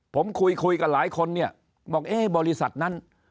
ผมคุยกับหลายคนบอกบริษัทนั้น